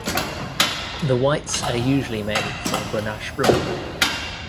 The whites are usually made from Grenache blanc.